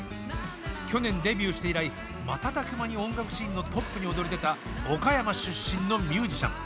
去年デビューして以来、瞬く間に音楽シーンのトップに躍り出た岡山出身のミュージシャン。